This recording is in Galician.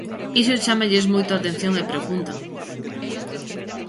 Iso chámalles moito a atención e preguntan.